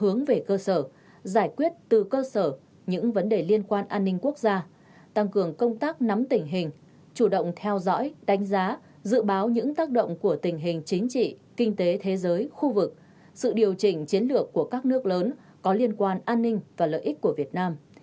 hướng về cơ sở giải quyết từ cơ sở những vấn đề liên quan an ninh quốc gia tăng cường công tác nắm tình hình chủ động theo dõi đánh giá dự báo những tác động của tình hình chính trị kinh tế thế giới khu vực sự điều chỉnh chiến lược của các nước lớn có liên quan an ninh và lợi ích của việt nam